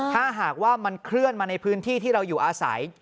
ถ้าหากว่ามันเคลื่อนมาในพื้นที่ที่เราอยู่อาศัย